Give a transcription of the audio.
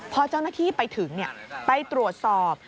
พอเจ้าหน้าที่ไปถึงไปตรวจสอบ